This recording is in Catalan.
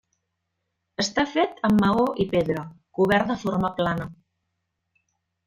Està fet amb maó i pedra, cobert de forma plana.